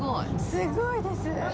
すごいです。